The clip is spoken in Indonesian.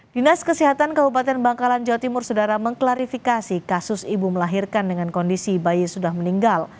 dinas kesehatan kabupaten bangkalan jawa timur sudah mengklarifikasi kasus ibu melahirkan dengan kondisi bayi sudah meninggal